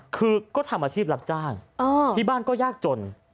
คือก็ทำอาชีพรับจ้างที่บ้านก็ยากจน